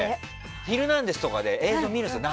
「ヒルナンデス！」とかで映像を見るんですよ。